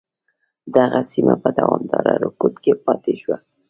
دغه سیمه په دوامداره رکود کې پاتې شوه.